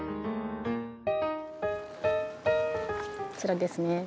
こちらですね。